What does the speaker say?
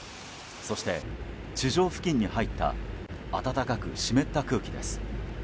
そして地上付近に入った暖かく湿った空気です。